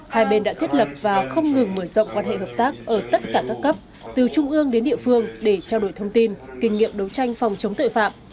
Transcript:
hai bên đã thiết lập và không ngừng mở rộng quan hệ hợp tác ở tất cả các cấp từ trung ương đến địa phương để trao đổi thông tin kinh nghiệm đấu tranh phòng chống tội phạm